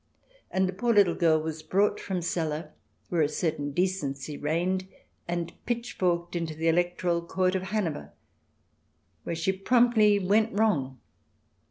And the poor little girl was brought from Celle, where a certain decency reigned, and pitchforked into the Electoral Court of Hanover, where she promptly went wrong.